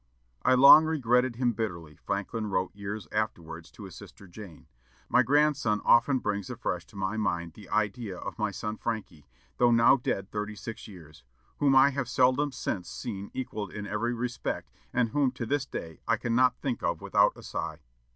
"I long regretted him bitterly," Franklin wrote years afterwards to his sister Jane. "My grandson often brings afresh to my mind the idea of my son Franky, though now dead thirty six years; whom I have seldom since seen equalled in every respect, and whom to this day I cannot think of without a sigh."